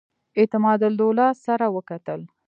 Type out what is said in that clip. اعتمادالدوله سره وکتل.